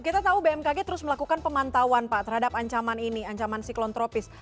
kita tahu bmkg terus melakukan pemantauan pak terhadap ancaman ini ancaman siklon tropis